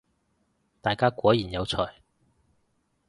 大家果然有才